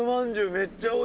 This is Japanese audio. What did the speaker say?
めっちゃおいしい！」